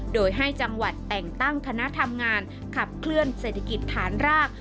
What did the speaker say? โดยให้จังหวัดแต่งตั้งคณะทำงานขับเคลื่อนเศรษฐกิจฐานราก